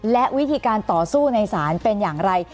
และวิธีการต่อสู้ในศาลเป็นอย่างไร